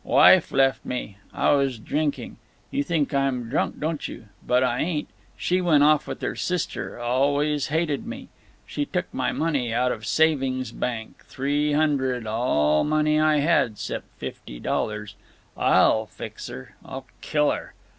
"Wife left me. I was drinking. You think I'm drunk, don't you? But I ain't. She went off with her sister—always hated me. She took my money out of savings bank—three hundred; all money I had 'cept fifty dollars. I'll fix her. I'll kill her.